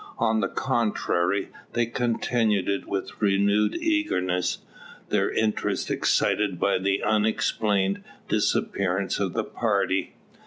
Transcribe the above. On the contrary, they continued it with renewed eagerness, their interest excited by the unexplained disappearance of the party.